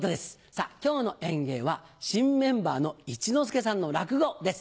さぁ今日の演芸は新メンバーの一之輔さんの落語です。